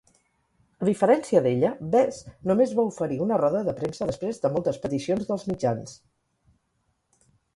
A diferència d'ella, Bess només va oferir una roda de premsa després de moltes peticions dels mitjans.